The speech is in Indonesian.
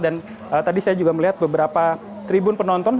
dan tadi saya juga melihat beberapa tribun penonton